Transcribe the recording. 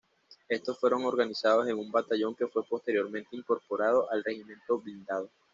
Estos fueron organizados en un batallón que fue posteriormente incorporado al "Regimiento Blindado".